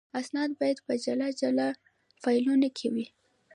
اسناد باید په جلا جلا فایلونو کې وي.